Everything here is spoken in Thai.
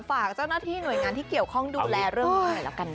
ฝากเจ้าหน้าที่หน่วยงานที่เกี่ยวข้องดูแลเรื่องนี้หน่อยแล้วกันนะ